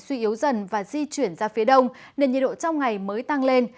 suy yếu dần và di chuyển ra phía đông nên nhiệt độ trong ngày mới tăng lên